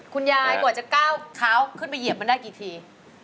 คุณยายกว่าจะก้าวเท้าขึ้นไปเหยียบมันได้กี่ที